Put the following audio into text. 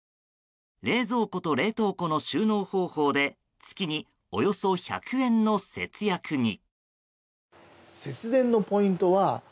冷蔵庫と冷凍庫の収納方法で月におよそ１００円の節約に。